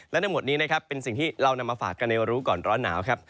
และทั้งหมดนี้นะครับเป็นสิ่งที่เรานำมาฝากกันในรู้ก่อนร้อนหนาวครับ